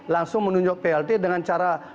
langsung menunjuk plt dengan cara